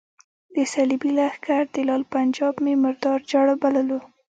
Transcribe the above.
د صلیبي لښکر دلال پنجاب مې مردار جړ بللو.